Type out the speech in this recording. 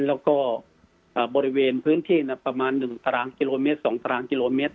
แล้วก็บริเวณพื้นที่ประมาณ๑ตารางกิโลเมตร๒ตารางกิโลเมตร